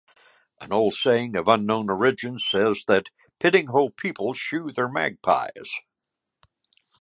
An old saying of unknown origin says that "Piddinghoe people shoe their magpies".